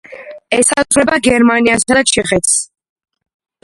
ესაზღვრება გერმანიასა და ჩეხეთს.